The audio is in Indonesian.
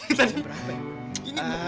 ini berapa ya